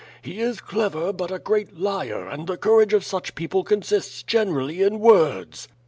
He i8 clever but a great liar and the courage of such people consists generally in words."